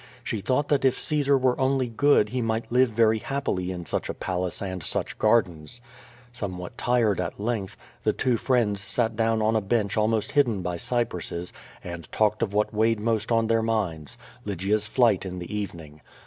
She thought that if Caesar were only good he might live very happily in such a palace and such gardens. Some what tired at length, the two friends sat down on a bench almost hidden by cypresses, and talked of what weighed most on their minds — Lygia's flight in the evening.